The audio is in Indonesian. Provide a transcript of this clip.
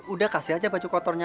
udah kasih aja baju kotornya